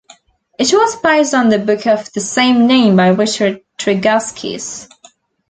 It was based on the book of the same name by Richard Tregaskis.